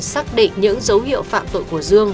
xác định những dấu hiệu phạm tội của dương